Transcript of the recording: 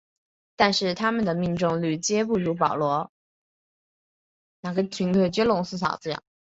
但是它们的命中率皆不如保罗。